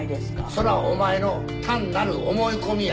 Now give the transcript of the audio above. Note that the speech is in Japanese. そりゃお前の単なる思い込みや。